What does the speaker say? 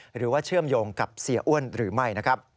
หรือว่าเชื่อมโยงกับเสียอ้วนหรือไม่นะครับ